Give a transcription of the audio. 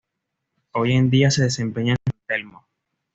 Hoy en día se desempeña en San Telmo.